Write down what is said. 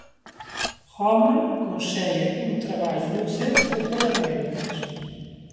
Homer consegue un traballo nun centro de probas médicas.